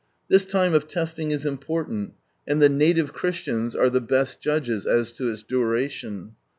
This time of testing is important, and the native Christians are the best judges as to its duration.